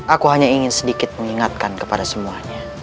aku hanya ingin sedikit mengingatkan kepada semuanya